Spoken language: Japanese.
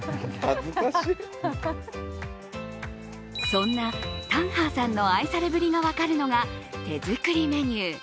そんなタンハーさんの愛されぶりが分かるのが手作りメニュー。